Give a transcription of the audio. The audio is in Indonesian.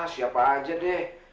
siapa aja deh